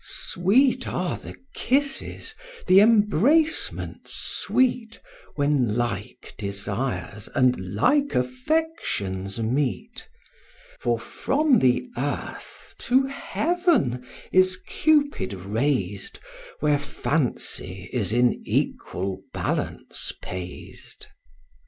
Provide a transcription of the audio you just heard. (Sweet are the kisses, the embracements sweet, When like desires and like affections meet; For from the earth to heaven is Cupid rais'd, Where fancy is in equal balance pais'd.)